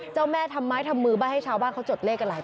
เจ้าแม่จริงปะเนี่ย